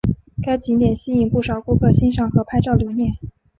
该景点吸引不少顾客欣赏和拍照留念。